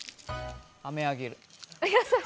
あめあげる。